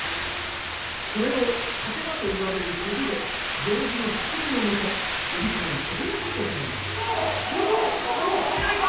それを立場といわれる競りで行司の仕切りのもと売り買いするのでございます売りないか！